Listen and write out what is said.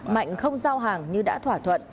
mạnh không giao hàng như đã thỏa thuận